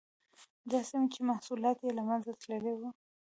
دا سیمې چې محصولات یې له منځه تللي وو.